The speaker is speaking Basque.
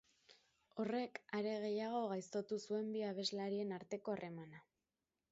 Horrek are gehiago gaiztotu zuen bi abeslarien arteko harremana.